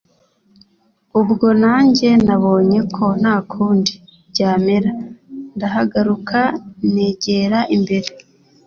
ubwo nanjye nabonye ko ntakundi byamera, ndahaguruka negera imbere